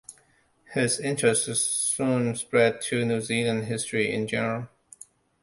His interests soon spread to New Zealand history in general.